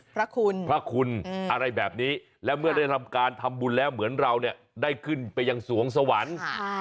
พระคุณพระคุณอะไรแบบนี้และเมื่อได้ทำการทำบุญแล้วเหมือนเราเนี่ยได้ขึ้นไปยังสวงสวรรค์